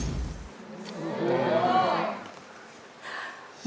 โอ้โห